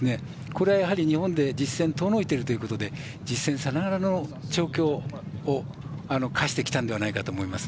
これは、やはり日本での実戦が遠のいているということで実戦さながらの調教をかしてきたのかと思います。